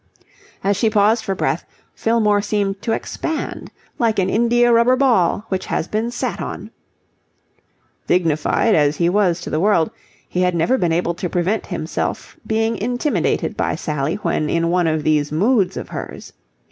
As she paused for breath, Fillmore seemed to expand, like an indiarubber ball which has been sat on. Dignified as he was to the world, he had never been able to prevent himself being intimidated by Sally when in one of these moods of hers.